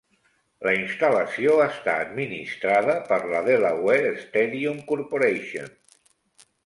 La instal·lació està administrada per la Delaware Stadium Corporation.